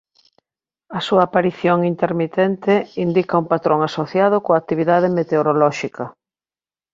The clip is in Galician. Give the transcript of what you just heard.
A súa aparición intermitente indica un patrón asociado coa actividade meteorolóxica.